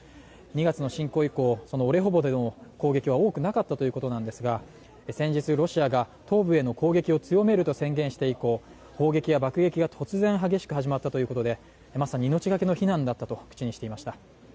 ２月の侵攻以降、そのオレホボでの攻撃は多くなかったということなんですが先日ロシアが東部への攻撃を強めると宣言して以降砲撃や爆撃が突然激しく始まったということでまさに命がけの避難だったと口にしていました。